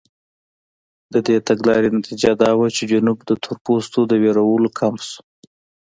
د دې تګلارې نتیجه دا وه چې جنوب د تورپوستو د وېرولو کمپ شو.